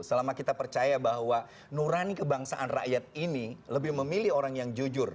selama kita percaya bahwa nurani kebangsaan rakyat ini lebih memilih orang yang jujur